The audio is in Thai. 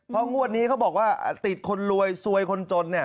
เพราะงวดนี้เขาบอกว่าติดคนรวยซวยคนจนเนี่ย